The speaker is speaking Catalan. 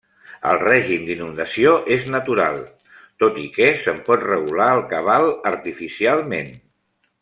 El règim d'inundació és natural, tot i que se'n pot regular el cabal artificialment.